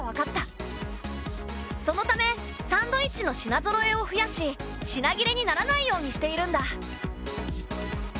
そのためサンドイッチの品ぞろえを増やし品切れにならないようにしているんだ。